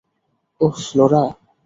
ওহ, Flora.